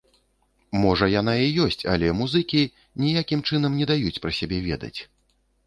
Можа яна і ёсць, але музыкі ніякім чынам не даюць пра сябе ведаць.